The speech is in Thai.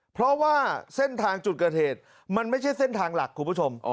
เพราะว่าเส้นทางจุดเกิดเหตุมันไม่ใช่เส้นทางหลักคุณผู้ชม